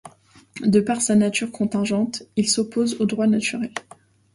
De par sa nature contingente, il s'oppose au droit naturel.